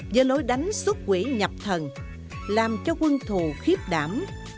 với lối đánh xuất quỷ nhập thần làm cho quân thù khiếp đảm